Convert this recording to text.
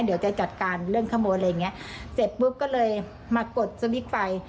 เดี๋ยวจะจัดหนังเรื่องขโมยไล่อย่างงี้